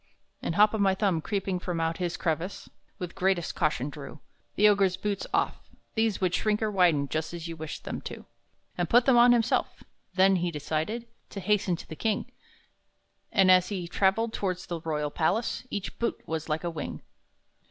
And Hop o' my Thumb, creeping from out his crevice, With greatest caution drew The Ogre's boots off (these would shrink or widen Just as you wished them to), And put them on himself. Then he decided To hasten to the king; And, as he traveled towards the royal palace, Each boot was like a wing.